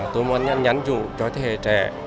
tôi muốn nhắn dụ cho thế hệ trẻ